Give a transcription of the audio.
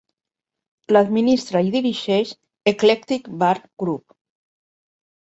L'administra i dirigeix Eclectic Bar Group.